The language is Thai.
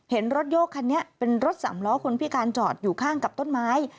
เห็นรถโยกคันนี้เป็นรถสามล้อคนพิการจอดอยู่ข้างกับต้นไม้